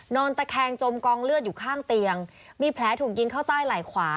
นอนตะแคงจมกองเลือดอยู่ข้างเตียงมีแผลถูกยิงเข้าใต้ไหล่ขวา